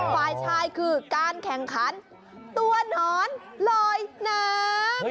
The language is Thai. ฝ่ายชายคือการแข่งขันตัวหนอนลอยน้ำ